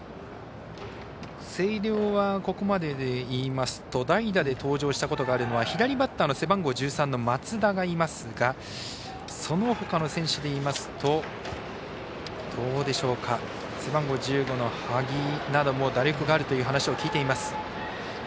星稜はここまででいいますと代打で登場したことがあるのは左バッターの背番号１３の松田がいますがそのほかの選手でいいますと背番号１５の萩なども打力があるという話を聞いています。